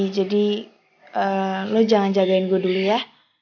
jadi lo jangan jagain gue dulu ya